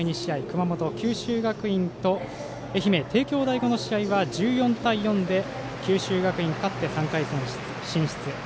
熊本、九州学院と愛媛、帝京第五の試合は１４対４で九州学院勝って３回戦進出。